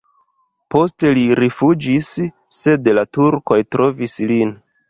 Poste li rifuĝis, sed la turkoj trovis lin.